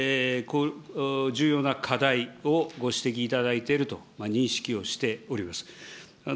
重要な課題をご指摘いただいていると認識をしております。